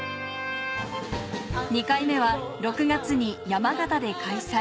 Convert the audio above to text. ２回目は６月に山形で開催